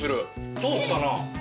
ソースかな？